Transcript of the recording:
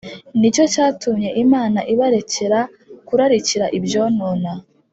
Ni cyo cyatumye Imana ibarekera kurarikira ibyonona